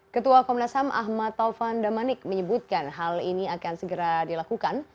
ketua komnas ham ahmad taufan damanik menyebutkan hal ini akan segera dilakukan